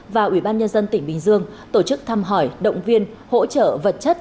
và ủy ban nhân dân tỉnh bình dương tổ chức thăm hỏi động viên hỗ trợ vật chất